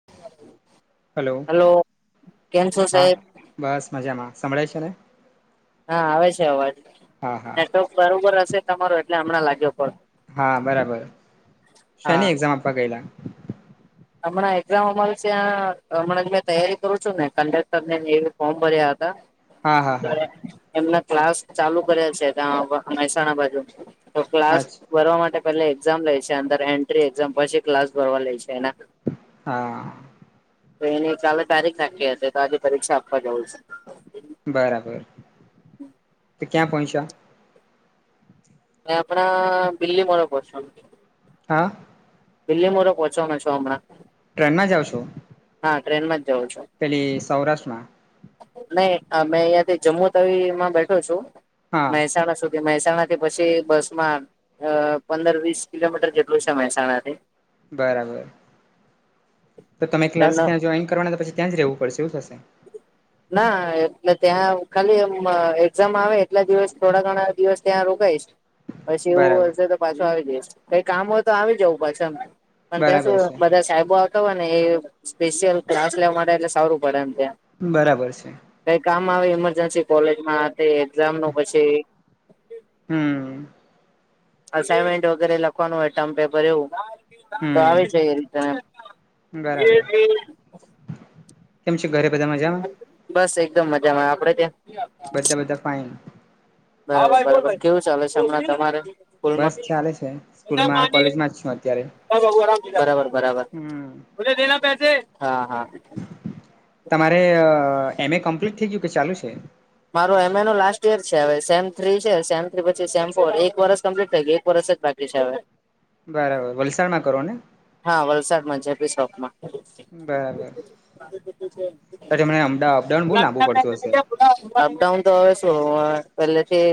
[unintelligible] Hello કેમ છો હા સાહેબ બસ મજામાં સંભળાય છે ને. હા આવે છે અવાજ હા હા નેટવર્ક બરોબર હશે તમારો એટલે હમણાં લાગ્યો કોલ. હા બરાબર હા શેની એક્ઝામ આપવા ગયેલા. હમણાં એક્ઝામ અમારી ત્યાં હમણાં તૈયારી કરું છું ને કડેક્ટર ને એ ફોર્મ ભર્યા હતા. હા હા હા એમના ક્લાસ ચાલુ કરેલ છે ત્યાં મહેસાણા બાજુ. તો ક્લાસ અચ્ ભરવા માટે પહેલા એક્ઝામ લે છે અંદર એન્ટ્રી એક્ઝામ પછી ક્લાસ ભરવા લે છે એના. હા. તો એની કાલે તારીખ નાખી હતી તો આજે પરીક્ષા આપવા જવું છે. બરાબર. [inaudible] તો ક્યા પહોંચ્યા. એ આપડા બિલ્લીમોરા પાસે. હા. વિલ્લીમોરા પહોંચવાનો છું હમણાં. ટ્રેનમાં જાવ છો. હા ટ્રેનમાં જ જઉં છું. પેલી સૌરાષ્ટ્રમાં. નહી મેં અહીંયાથી જમ્મુ તવીમાં બેઠો છું હા મહેસાણા સુધી. જે મહેસાણાથી પછી બસ માં પંદર વીસ કિલોમીટર જેટલું છે મહેસાણાથી. બરાબર તો તમે ક્લાસ એનો ત્યાં જોઈન કરવાના તો પછી ત્યાં જ રહેવું પડશે એવું થશે. [inaudible] ના એટલે ત્યાં ખાલી આમ એક્ઝામ આવે એટલા દિવસ થોડા ઘણા દિવસ ત્યાં રોકાઈશ. પછી એવું બરાબર હશે તો પાછો આવી જઈશ કઈ કામ હોય તો આવી જવું પાછો એમ. પણ ત્યાં સુ બરાબર છે બધા સાહેબો આવતા હોય ને એ સ્પેશિયલ ક્લાસ લેવા માટે એટલે સારું પડે એમ ત્યાં. બરાબર છે. કઈ કામ આવે ઇમરજન્સી કોલેજમાં તે એક્ઝામ નુ પછી. હમ. અસાઈનમેન્ટ વગેરે લખવાનું હોય ટર્મ પેપર એવું. તો હમ આવી જઈએ રીટર્ન એમ. બરાબર કેમ છે ઘરે બધા મજામાં. બસ એકદમ મજામાં આપડે ત્યાં. બધા બધા ફાઇન બરાબર કો કેવું ચાલે છે હમણાં તમારે? બસ સ્કૂલમાં ચાલે છે સ્કૂલમાં કોલેજમાં જ છુ, અત્યારે હમ [unintelligible] તમારે એમ એ કમ્પ્લીટ થઇ ગયું કે ચાલુ છે. મારો એમ એ ન લાસ્ટ ઈયર છે હવે સેમ થ્રી છે, સેમ થ્રી પછી સેમ ફોર એક વર્ષ કમ્પ્લીટ થઈ ગઈ. પરસ જ બાકી શહેય બરાબર વલસાડમાં કરો ને હા વલસાડમાં જપી શોપમા બરાબરમને અમ અડાન બહ લાંબુ પડતું હશે. અપડાઉન તો હવે શું પેલેથી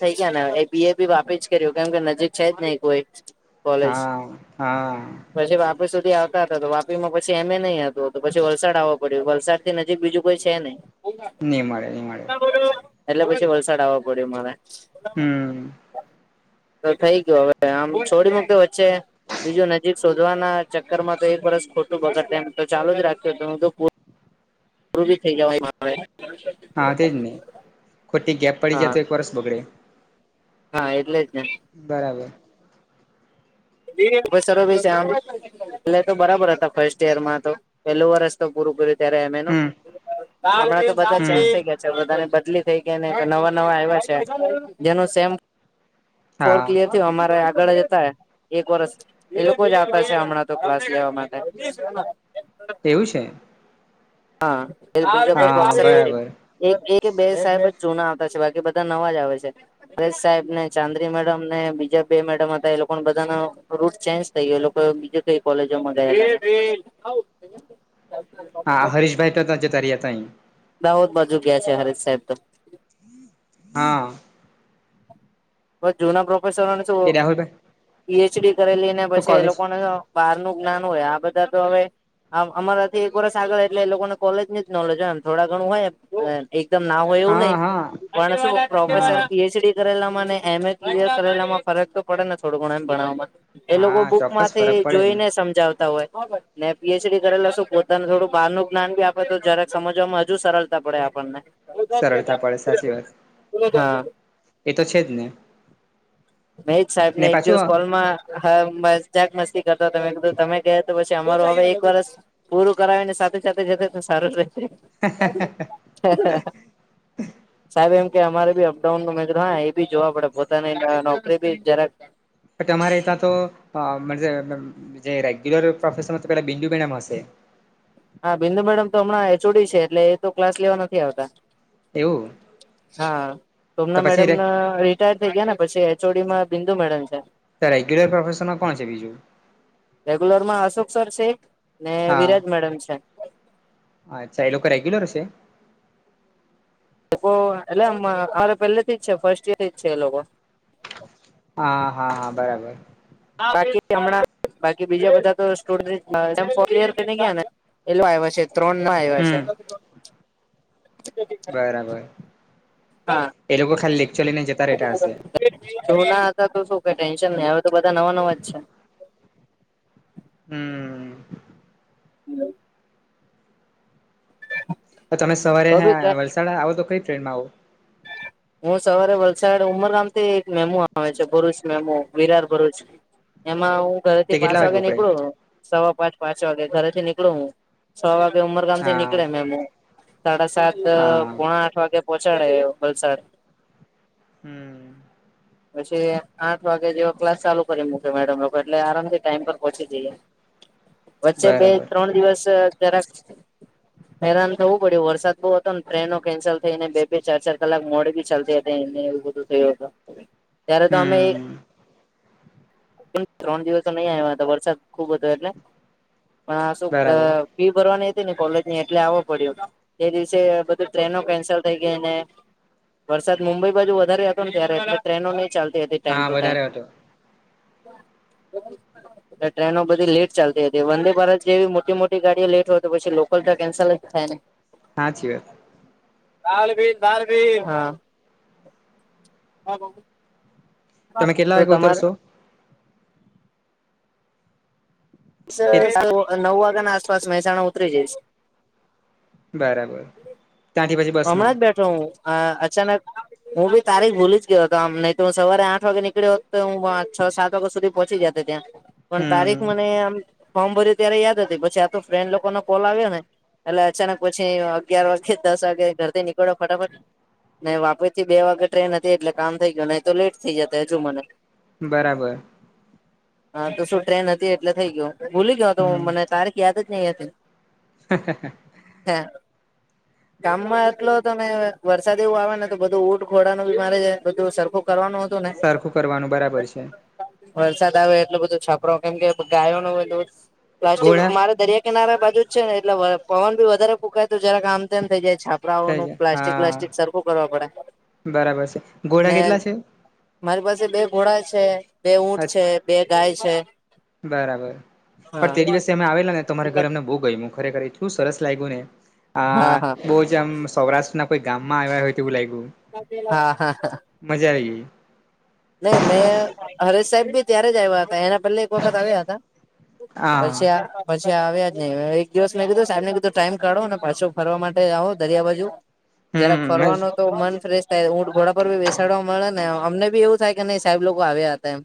થઇ ગયા ને એ બી એ બી વાપી જ કર્યું કેમ કે નજીક છે જ નહી કોઈ કોલેજ હા હા પછી વાપી સુધી આવતા હતા તો વાપી માં પછી એમે નહીિ હતુ, તો પછી વલસાડ આવવો પડ્યું વલસાડ નજીક બીજું કોઈ છે, નહી. નહી મળે નહી મળે એટલે પછી વલસાડ આવવા પડ્યો મારે [unintelligible] તો થઈ ગયયો હવે આમ છોડી, મૂકે વચ્ચે બીજુ નજીક શોધવાના ચક્કર માં તો એક વરષ ખોટુ બગડને તો ચાલુ જ રાખ્યો હ તો પૂરું બી થઈ જવાય મારે હા તે જ નહી, ખોટી ગેપ પડી જ હા તો એક વર્સ બગડે હા એટલે જ બારબાર ખબસરો ભી છે આમ એલે તો બરાબર હતા ફર્સ્ટ ઈયરમાં તો પેલું વર્ષ પૂરુંયુ ત્યારે એમેનું હમ હમણાં તો બધા ચેન્જ હમ થ ગયા છે બધાને બદલી થઈ ગયા નને નવા નવા આવ્યા છે જેનું સેમ ફોર હા કીલીયર થયું અમારે આગળ જ હતા એક વર્ષ એ લોકો જ આપે છે હમણાં તો ક્લાસ લેવા માટે એવું છે હાં હા [unintelligible] બરાબર એક એ કે બે સાહેબ જ જૂના આવતા છે બાકી બધા નવા જ આવે છે અરેશ સાહેબ ને ચાંદ્રી મેડમ ને બીજા બે મેડમ હતા એ લોકોને બધાનો રૂટ ચેન્જ થાઈ ગયેલું એ લોકો બીજા કોઈ કોલેજોમાં ગયા [inaudible] હા હરીશભાઈ તો તા જતા રીયા તય દાહોદ બાજુ ગયા છે હરીશ સાહેબ તો હા બસ જુના પ્રોફેસરોને શું એ રાહુલભાઈ પીએચડી કરેલી ને તો પછી એ કોલેજ લોકોને બહાર નું જ્ઞાન હોય આ બધા તો હવે આમ અમારાથી એક વરષ આગળ એટલે એ લોકોને કોલેજ ની જ નોલેજ હોય ને થોડા ઘણું હોય એમ એકદમ ના હોય એવું હા નઈ હા પણ શું હા પ્રોફેસર પીએચડી કરેલા મા ને એમ એ કિલયર કરેલામાં ફરક તો પડે ને થોડું ઘણુ એમ ભણાવમાં એ લોકો હા બુક ચોક્કસ માંથી ફરક પડે જોઈ ને સમજાવતા હોય ને પીએચડી કરેલા શું પોતાને થોડું બાર નું જ્ઞાન ભી આપે તો જ્યારે સમજવામાં હજુ સરળતા પડે આપણને સરળતા પડે સાચી વાત હાં એ તો છે જ ને મે એક સાહેબ ને એક દિવસ કોલમાં હા મજાક મસ્તી કરતા તમે કીધું તમે ગયા તો પછી અમારું હવે એક વરષ પૂરું કરાવી ને સાથે સાથે જતો તો સારું રહેતે સાહેબ એમ કે અમારે બી અપડાઉન ન મે હા એ બી જોવા પડે પોતાની નોકરી બી જરાક પણ તમારે તા તો અ જે રેગ્યુલર પ્રોફશેર તો પેલા બિંદું મેડમ હશે હા બિંદુ મેડમ તો હમણાં એ ચો ડી છે એટલે એ તો ક્લાસ લેવા નથી આવતા એવું હા તો શોભાના પછી મેડમ ના રિટાયર થઈ ગયા ને પપછી એચ ઓ ડી માં બિંદુ મેડલ છે તો રેગ્યુલર પ્રોફેશર મા કોણ છે બીજું રેગ્યુલર માં અશોક સર છે ને હા વિરાજ મેડમ છે. અચ્છા એ લોકો રેગ્યુલર છે એ લોકો એટલે અરે પેલે થી જ છે ફર્સ્ટ ઈયર થી જ છે એ લોકો હા હા હા બરાબર બાકી હમણાં બાકી બીજા બધા તો [unintelligible] ગયા ને એલો આવ્યો છે ત્રણ ના આવ્યા છે. હમ બરાબર એ લોકો ખાલી લેકચર લઇ ને જ જુના હતા તો શું કઈ ટેન્શન નહી હવે તો બધા નવા નવા જ છે હમ. હ તમે સવારે વલસાડ આવો તો કઈ ટ્રેનમાં આવો હું સવારે વલસાડ ઉમરગામ થી એક મેમો આવે છે ભરૂચ મેમો વિરાર ભરૂચ એમાં હું ઘરે તે થી પાંચ કેટલા વાગે ઉપડે નીકળું સવા પાંચ પાંચ વાગે ઘરેથી નીકળું હું છ વાગે ઉમરગામ થી હા નીકળે મેમુ એમ સાડા સાત હા પોણા આઠ વાગે પોચાડે વલસાડ હમ પછી આઠ વાગે જેવો ક્લાસ ચાલુ કરી મૂકે મેડમ લોકો એટલે આરામથી ટાઈમ પર પહોંચી જઈએ હ વચ્ચે બે ત્રણ દિવસ અ જરાક હેરાન થવું પડ્યું વરસાદ બહુ હતો ને ટ્રેનો કેન્સલ થઈ ને બે ચાર ચાર કલાક મો ગ ચાલતી હતી એ એવું બધું થયું હત ત્યારે તો અમે હમ ત્રણ દિવસો નહીં આવ્યા હતા વરસાદ ખુબ હતો એટલે પણ આ શું બરાબર ફી ભરવાની હતી ને કોલેજ ની એટલે આવો પડ્યો તે દિવસે ટ્રેનો કેન્સલ થઈ ગઈ ને વરસાદ મુંબઈ બાજુ વધારે હતો ને ત્યારે એટલે ટ્રેનો નહી ચાલતી હતી ટાઈમ ટુ હા ટાઈમ વધારે હતો બ ટ્રેનો બધી લેટ ચાલતી હતી વંદે ભારત જેવી મોટી મોટી ગાડીઓ લેટ હોય તો પછી લોકલ તો કેન્સલ જ થાય ને હા છ વાત દળ બી દળ બી હા તમે કેટલા તો વાગે તમારે ઉતરશો કે નવ વાગ્યા ના આસપાસ મહેસાણા ઉતરી જઈશ બરાબર ત્યાંથી પછી બસમાં હમણાં જ બેઠો હું અચાનક હું બી તારીખ ભૂલી જ ગયો હતો આમ નહી તો હ સવારે આઠ વાગે નીકળ્યો હો હતો તો હું છ સાત વાગ્યા સુધી પહોંચી જતો ત્યાં પણ તારીખ હમ મનેમ ફોર્મ ભર્યું ત્યારે યાદ હતી પછી આ તો ફ્રેન્ડ લોકો ન કોલ આવ્યો ને એટલે અચાનક પછી અગિયાર વાગે દસ વાગે ઘર થી નીકળો ફટાફટ નહી વાપર થી બે વાગે ટ્રેન હતી એટલે કામ થઈ ગયું નહી તો લેટ થઈ જશે હજુ મને બરાબર હા તો શું ટ્રેન હતી એટલે થઇ ગયો ભૂલી ગયો તો મને તારીખ યાદ જ નહી હતી હ હ કામમાં એટલો તમે વરસાદ એવું આવે ને તો બધું ઊટ ખોળનું બી મારે બધું સરખું કરવાનું હતું ને સરખું કરવાનું બરાબર છે. વરસાદ આવે. એટલું બધું છાપરો કેમ કે ગાયો નો હોય. પ્લાસ્ટિક ઘોડા મારે દરિયા. કિનારા બાજુ જ છે ને, એટલે પવન બી વધારે કૂકાય. તોું જરાક આમ તેમ થઈ જાય છાપ. કપરાઓ થઈ નું જાય પ્લાસ્ટિક વ્લાસ્ટિક હા સરખું કરવા પડે બરાબર છે ઘોડા ને. કેટલા છે મારી પાસે બે ઘોડા છે, બે ઊંટ છે, બે ગાય છે. બરાબર. પણ હા તે દિવસે અમે આવેલા ને, તમારે ઘર અમને બહુ ગમ્યું. ખરેખર એટલુ સરસ લાગ્યું ને આ હા હા બ. જે સૌરાના કોઈ ગામમાં આવ્યા હોય, થું લાગું. હા હા હા! મજા આવી ગઈ. નહી મેં હરેશ સાહેબ બી ત્યારે જ આવ્યા હતા. એના પહેલે. વખત આવ્યા હતા હા પછી. પછી આવ્યા જ નહી. એક દિવસ મેં કીધું સાહેબને કીધું ટાઈમ કાઢો ને, પાછો ફરવા માટે આવો દરિયા બાજુ. જરાક ફરવાનું હમ તો મન ફ્રેશ થાય. ઊંટ, ઘોડા પર બી બેસાડવા મળે ને. અમને બી એવું. સાહે કે નહી સાહેબ લોકો આવ્યા હતા એમ.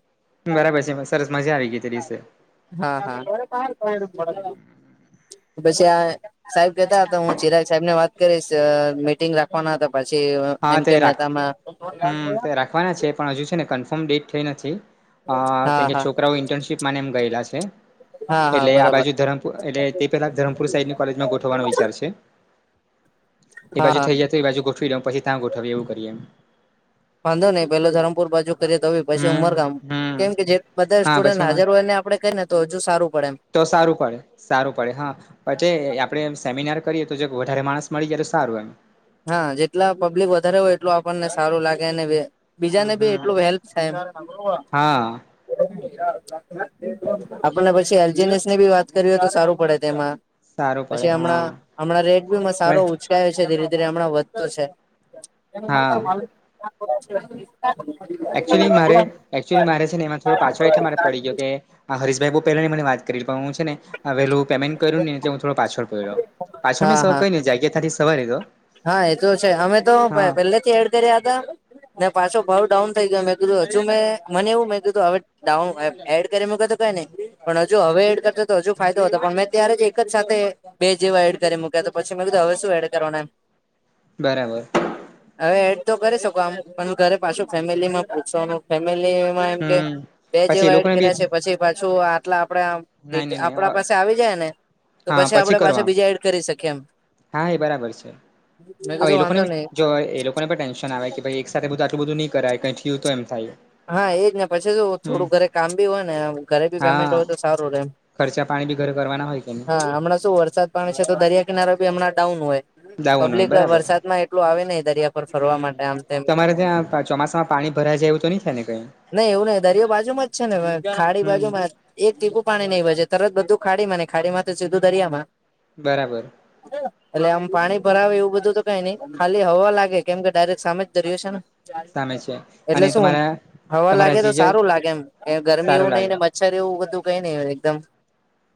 બરાબર છે. સરસ મજા આવી ગઈ તે દિવસે. હા હા! પછી, આ સાહેબ કહતા હતા, હું ચિરાગ સાહેબ ને વાત કરીશ. મિટિંગ રાખવાના હતા. પછી એમ કે મહેતામાં. ખવાના છે. પણ હજુ છે ને, કન્ફર્મ ડેટ થઈ નથી. અ હા કેમકે હા છોકરાઓ ઇન્ટર્નશીપ મા એમ ગયેલા છે. હા હા એટલે આ બરાબર બાજુ ધરમ. એટલે તે પેલા ધરમપુર સાઈની કોલેજમાં ગોઠવાનો વિચાર છે. એ હા બાજુ હા થઈ જ. તો એ બાજુ ગોઠવી પછી, ત્યા ગઠવી એવું કરી એમ. વાંધો નહીં. પેલો ધરમપુર બાજુ કરી તોય. પછી હમ ઉંમરગામ. હમ કેમ કે જે બધા હા સ્ટુડન્ટ પછી અમાર હાજર હોય એને, આપડે કઈ ને તો હજુ સારું પડે એમ. તો સારું પડે. સારું પડે હા પાછી આપણે સેમિનાર કરીએ, તો જો વધારે માણસ મળી જાય તો સારું એમ હા જેટલા પબ્લિક વધારે હોય એટલૂ આપણને સારું લાગે અને બીજા હમ ને ભી હમ એટલું હેલ્પ છે એમ હા આપને પછી એલજીસ ની બી વાત કરી હોય તો સારું પડે તેમાં સારું પડે પછી હા હમણાં હમણાં રેટ બીમાં સારો ભાઈ ઉછેર છે ધીરે ધીરે હમણાં વધતો છે. હા [unintelligible] એચુઅલી મારે એચુઆલી મારે છે ને, એમાં થોડો પાછો એટલે મારે પડી ગયો કે હરીશભાઈ બહુ પહેલાની મને વાત કરી હું છે ને આવેલું પેમેન્ટ કર્યું નહી, એટલે હું થો પાછળ પડ્યો. પાછળ મે હા હા ક જગ્યા થી સવારે હા એ તો છે અમે તો હા પેલેથી એડ કર્યા હતા ને પાછો ભાવ ડાઉન થઈ ગયો મેં કીધું હજુ મેં મને એવું મેં કીધું હ ડાઉન એડ કરી મક તો કઈ નહી. પણ હજુ હવે એડ કરતો તો, હજુ ફાયદો હતો. પણ મેં ત્યારે જ એક જ સાથે બે જેવો એડ કરી મૂક્યા તો. પછી મેં કીધું હવે શું એડ કરવાના એમ બરાબર હવે એડ તો કરી શકો આમ પણ ઘરે પાછું, ફેમિલીમાં પૂછવાનું ફેમિલીમાં એમ કે હમ બે જેવ પછી એ એડ લોકોને બી કર્યા છે. પછી પાછું આટલા આપણેે નાઈ નઈ નહી આપણા પાસે આવી જાય ને તો હા પછી આપડે પાછા કરવા બીજા એડ કરી શકીએ એમ હા! એ બરાબર છે. મેં એ કીધું લોકોને વાંધો નહી જો એ કો પણ ટેનશન આવે કે, ભાઈ એક સાથે બધું આટલું બધું નહીં કરાય કઈ થયું તો એમ થાય હા! એ જ ને પછી તો હમ થોડું ઘરે કામ બી હોય ને. ઘરે બી પેમેન્ટ હા હોય તો સારું રહેે ખર્ચા પાણી બી ઘરે કરવાના હોય કે નહી હા! હમણાં શું વરસાદ પાણી છે તો, દરિયા કિનારા બી હમણાં ડાઉન હોય દાવો ન હોય પબ્લીક બરાબર વરસાદમાં એટલું આવે નહીં. દરિયા પર ફરવા હમ. માટે આમ તેમ તમારે ત્યાં ચોમાસામાં પાણી ભરાઈ છે એવું તો નઈ થાય ને કઈ નહી એવું નહી દરિયો બાજુ માં જ છે ને ખાડી હમ. બાજુમાં જ એક ટીપું પાણી નહીં હોયે તરત બધું ખાડીમાં ને ખાડી માં સીધું દરિયા માં બરાબર હ એટલે આમ પાણી ભરાવે એવું બધું તો કઈ નઈ ખાલી હવા લાગે કેમ કે ડાયરેક્ટ સામે જ દરિયો છે ને સામે છે એટલે અને શું તમારા થવા તમારા લાગે તો જીજર સારું લાગે એમ ગરમી સારું એવું નહીં લાગે ને મચ્છર એવું બધું કઈ નહીિ એકદમ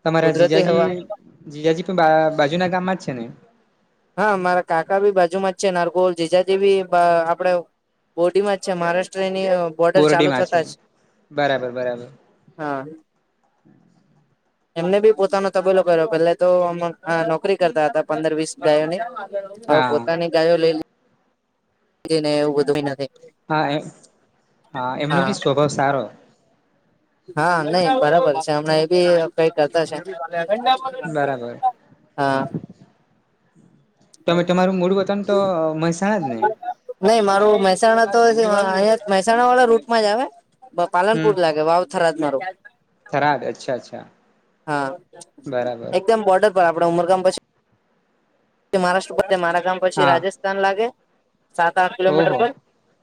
તમારા કુદરતી જીજાજી હવા જીજાજી પણ બાજુ ના ગામમાં જ છે ને હા મારા કાકા ભી બાજુ માં જ છે નારગોલ જીજાજી બી આપડે બોડીમાં જ છે મહારાષ્ટ્રની બોર્ડર બોરડી ચાલુ માં છે થતા જ બરાબર બરાબર હા એમને બી પોતાનો તબેલો કર્યો પેલા તો નોકરી કરતા હતા પંદર વીસ ગાયો ની હવે હા પોતાની ગાયો લઈ લ ને એવું બધું નથી હા એ હા એમનો બી સ્વભાવ સારો હા નહી બરાબર છે હમણાં એ બી કઈ કરતા છે. બરાબર હા તમે તમારું મૂળ વતન તો મહેસાણા જ ને નહી મારું મહેસાણા તો અહીંયા મહેસાણા વાળા રૂટમાં જ આવે હમ. પાલનપુર લાગે વાવ થરાદ અચ્છા અચ્છા બરાબર [unintelligible] એકમ બોડેર આપડે ઉમર કામ પછી મહારાષ્ટ્ર મારા ગામ પછી હા રાજસ્થાન લાગે સાત આઠ કિલોમીટર ઓહો પર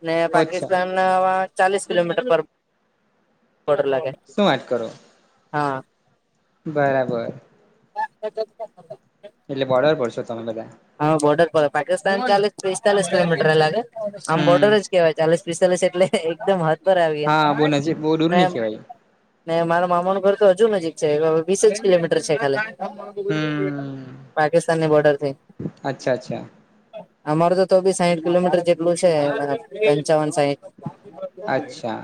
ને અચ્છા પાકિસ્તાન ચાલીસ કિલોમીટર પર બડર લાગે શું વાટ કરો હા બરાબર [unintelligible] એલે બોડર બળસ ત ને હા બોર્ડર પાકિસ્તાન ચાલે પિસ્તાલીસ કિલોમીટર અ લાગે આમ બોર્ડર જ કેવાય ચાલે ચાલીશ પિસ્તાલીશ એટલે એકદમ હ ઉપર હા બહુ નજીક બહુ દૂર આવ્યા નહી કેવાય ને મારા મામાનું ઘર તો હજુ નજીક છે વીસજ કિલોમીટર છે ખાલી પાકિસ્તાનની બોર્ડર થી અચ્છા અચ્છા અમાર તો તો બી સાઈઠ કિલોમીટર જેટલું છે. પંચાવન સાહેઠ અચ્છા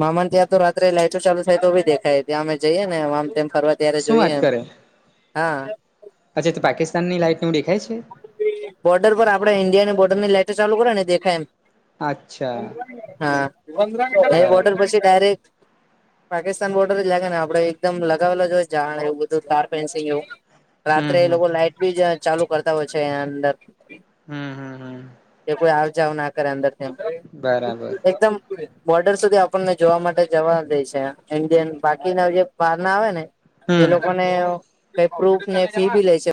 મામા ત્યાં તો રાત્રે લાઈટો ચાલુ થાય તો બી દેખાય ત્યાં અમે જઈએ ને આમ તેમ ફરવા અત્યારે શું જોઈએ વાત એમ કરે હા અચ્છા તો પાકિસ્તાનની લાઈટ નનું દેખાય છે. બોર્ડર પર આપડે ઇન્ડિયાની બોર્ડર ની લેટ ચાલુ કરે ને દેખાય એમ અચ્છા હા એ બોડર બરાબર પછી ડાયરેક્ટ પાકિસ્તાન બોર્ડર જ લાગે ને આપડ એકદમ લગાવે જોય જાણે એવું બધું કારપેન્સીગ એવું હમ રાત્રે એ હમ લોકો લાઈટ બી જ ચાલુ કરતા હોય છે એ અંદર હમ હમ હમ એ કોઈ આવજાવ ના કરે અંદર બરાબર એકદમ બોર્ડર સુધી આપણને જોવા માટે જવા દે છે ઈન્ડિયન બાકીના જે બહાર ના આવે ને એ હમ લોકો ને પ પ્રૂફ ને ફી ભી લે છે.